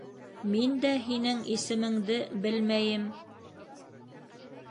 — Мин дә һинең исемеңде белмәйем.